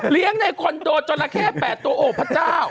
เลี้ยงในคอนโดจอลาแค่๘ตัวโอ้พระเจ้า